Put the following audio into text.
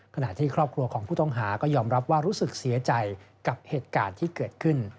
ขณะที่ครอบครัวของผู้ต้องหาก็ยอมรับว่ารู้สึกเสียใจกับเหตุการณ์ที่เกิดขึ้น